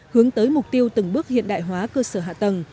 hướng tới mục tiêu từng bước hiện đại hóa cơ sở hạ tầng